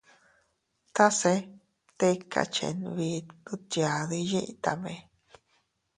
Tase tika chenbit ndutyadi yitame.